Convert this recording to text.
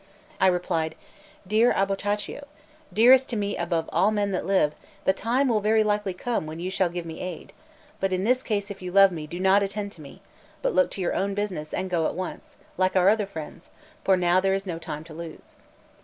I replied: "Dear Albertaccio, dearest to me above all men that live, the time will very likely come when you shall give me aid; but in this case, if you love me, do not attend to me, but look to your own business, and go at once like our other friends, for now there is no time to lose."